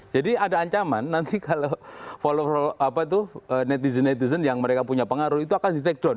jadi ada ancaman nanti kalau followers apa itu netizen netizen yang mereka punya pengaruh itu akan di take down